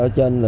ở trên là